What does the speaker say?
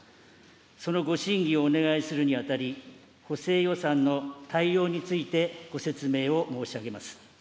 そのご審議をお願いするにあたり、補正予算の大要についてご説明を申し上げます。